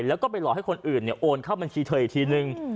แล้วก็ไปหลอกให้คนอื่นโอนเข้าบัญชีเธออีกทีนึง